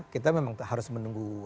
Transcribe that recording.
kita memang harus menunggu